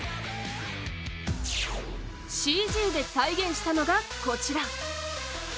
ＣＧで再現したのがこちら。